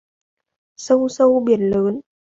Sông sâu biển lớn